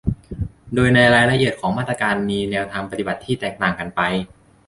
โดยในรายละเอียดของมาตรการมีแนวทางปฏิบัติที่ต่างกันไป